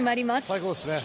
最高ですね。